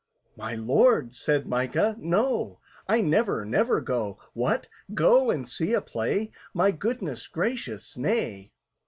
"My Lord," said MICAH, "no! I never, never go! What! Go and see a play? My goodness gracious, nay!"